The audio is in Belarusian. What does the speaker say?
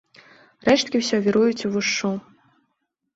Рэшткі ўсё віруюць увушшу.